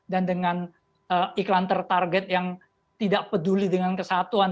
dan dengan iklan tertarget yang tidak peduli dengan kesatuan